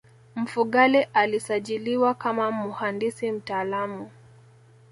Mfugale alisajiliwa kama muhandisi mtaalamu